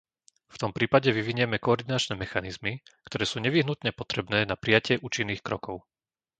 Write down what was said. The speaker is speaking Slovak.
V tom prípade vyvinieme koordinačné mechanizmy, ktoré sú nevyhnutne potrebné na prijatie účinných krokov.